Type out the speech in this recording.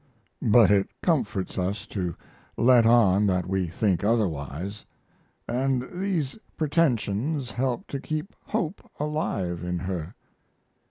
But it comforts us to let on that we think otherwise, and these pretensions help to keep hope alive in her."